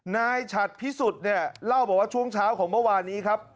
ฉัดพิสุทธิ์เนี่ยเล่าบอกว่าช่วงเช้าของเมื่อวานนี้ครับ